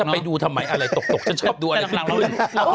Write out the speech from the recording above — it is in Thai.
ไม่ชอบตกชอบขึ้น